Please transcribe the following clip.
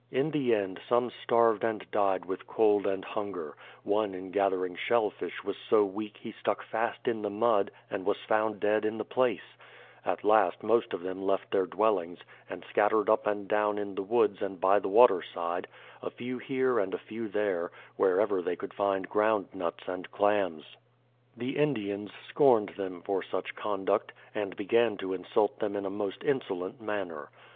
In the end some starved and died with cold and hunger; one in gathering shell fish was so weak he stuck fast in the mud, and was found dead in the place ; at last most of them left their dwellings, and scattered up and down in the woods and by the water side, a few here and a few there, wherever they could find ground nuts and clams. The Indians scorned them for such conduct, and began to insult them in a most insolent manner.